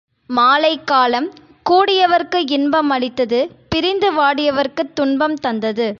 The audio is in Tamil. மாலைக் காலம் கூடியவர்க்கு இன்பம் அளித்தது பிரிந்து வாடியவர்க்குத் துன்பம் தந்தது.